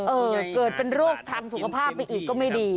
เกิดเป็นโรคทางสุขภาพไปอีกก็ไม่ดี